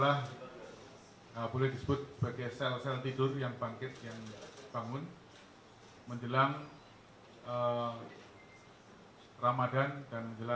ini ke pol dekat terujaya memberikan alahan untuk siaga satu di gelayau kumpul dekat terujaya